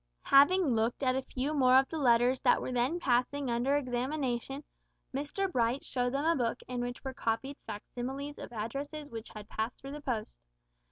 Having looked at a few more of the letters that were then passing under examination, Mr Bright showed them a book in which were copied facsimiles of addresses which had passed through the post.